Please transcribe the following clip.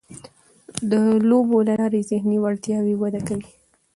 د لوبو له لارې ذهني وړتیاوې وده کوي.